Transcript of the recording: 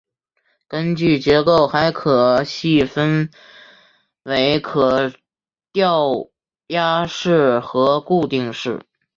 根据结构还可细分为可调压式和固定式。